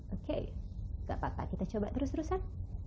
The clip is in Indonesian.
oke gak apa apa kita coba terus terusan